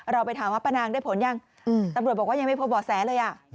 เราไปถามว่าป้านางได้ผลยังตำรวจบอกว่ายังไม่พบบ่อแสเลย